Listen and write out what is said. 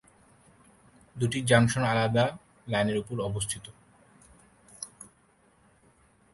দুটি জংশন আলাদা লাইনের উপর অবস্থিত।